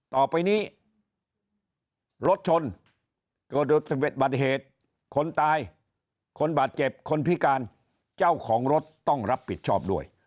ต่อไปนี้รถชนเกิดบัติเหตุคนตายคนบาดเจ็บคนพิการเจ้าของรถต้องรับผิดชอบด้วย